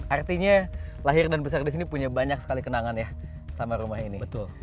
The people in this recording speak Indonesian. artinya lahir dan besar di sini punya banyak sekali kenangan ya sama rumah ini